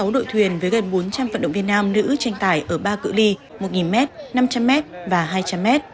ba mươi sáu đội thuyền với gần bốn trăm linh vận động việt nam nữ tranh tải ở ba cự li một m năm trăm linh m và hai trăm linh m